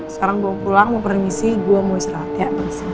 sekarang gue pulang mau permisi gue mau istirahat ya